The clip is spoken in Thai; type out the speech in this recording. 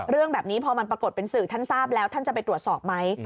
เรื่องแบบนี้พอมันปรากฏเป็นสื่อท่านทราบแล้วท่านจะไปตรวจสอบไหม